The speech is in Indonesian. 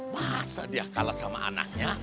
masa dia kalah sama anaknya